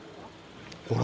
ほら。